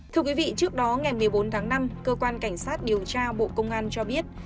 trước đó ngày một mươi bốn tháng năm cơ quan cảnh sát điều tra bộ công an cho biết